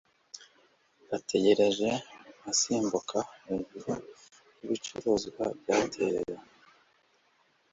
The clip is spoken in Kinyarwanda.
yatekereje asimbuka hejuru y'ibicuruzwa byatereranywe